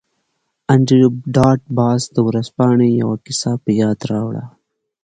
انډریو ډاټ باس د ورځپاڼې یوه کیسه په یاد راوړه